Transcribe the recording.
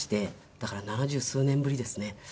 だから７０数年ぶりですね。